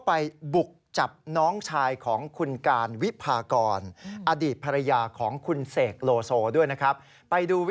ผมให้เปิดต้องแสดงความสุดใจครับหนึ่งสองสามเอ้ยเดี๋ยว